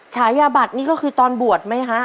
ช้ายาบัตรนี่ก็คือตอนบวชมั้ยคะ